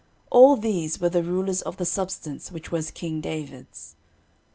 All these were the rulers of the substance which was king David's.